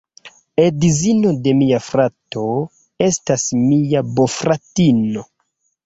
Edzino de mia frato estas mia bofratino.